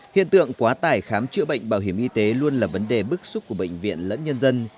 hiện tượng quá tải khám chữa bệnh bảo hiểm y tế luôn là vấn đề bức xúc của bệnh viện lẫn nhân dân